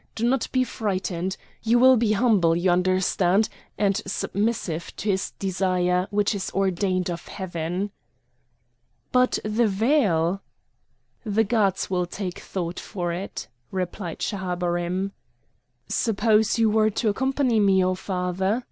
do not be frightened! You will be humble, you understand, and submissive to his desire, which is ordained of heaven!" "But the veil?" "The gods will take thought for it," replied Schahabarim. "Suppose you were to accompany me, O father?"